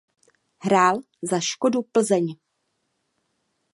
Hrál za Škodu Plzeň.